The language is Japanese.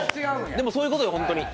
でもそういうことよ、本当に。